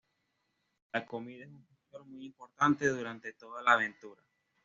La comida es un factor muy importante durante toda la aventura.